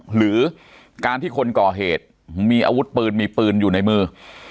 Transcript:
หรือการที่คนก่อเหตุมีอาวุธปืนมีปืนอยู่ในมือ